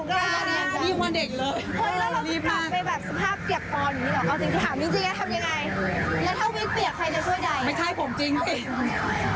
แต่วันนี้ต้องขอบคุณวี่นมากเลยนะที่มาเรื่องนี้